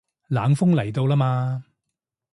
冷鋒嚟到啦嘛